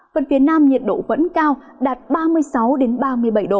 phần phía nam nhiệt độ vẫn cao đạt ba mươi sáu ba mươi bảy độ